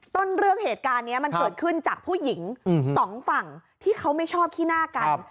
ต้นเรื่องเหตุการณ์นี้มันเกิดขึ้นจากผู้หญิงสองฝั่งที่เขาไม่ชอบขี้หน้ากัน